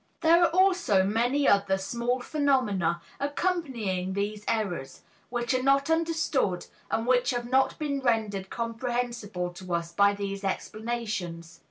There are also many other small phenomena accompanying these errors, which are not understood and which have not been rendered comprehensible to us by these explanations.